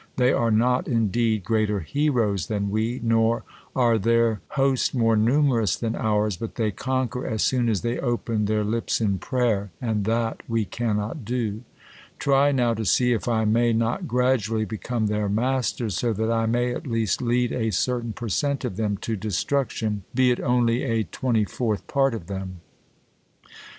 They are not, indeed, greater heroes than we, nor are their host more numerous than ours, but they conquer as soon as they open their lips in prayer, and that we cannot do. Try now to see if I may not gradually become their master, so that I may at least lead a certain per cent of them to destruction, be it only a twenty fourth part of them."